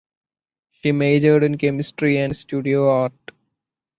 She majored in chemistry and studio art.